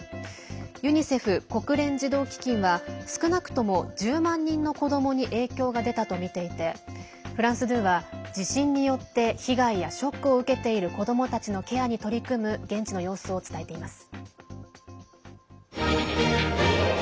ユニセフ＝国連児童基金は少なくとも１０万人の子どもに影響が出たとみていてフランス２は地震によって被害やショックを受けている子どもたちのケアに取り組む現地の様子を伝えています。